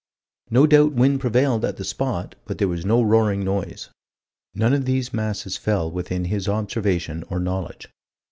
"No doubt wind prevailed at the spot, but there was no roaring noise." None of these masses fell within his observation or knowledge.